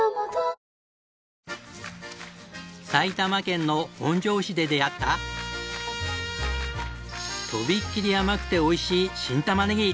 埼玉県の本庄市で出会ったとびっきり甘くておいしい新たまねぎ。